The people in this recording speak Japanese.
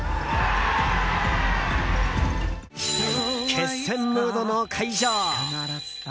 決戦ムードの会場。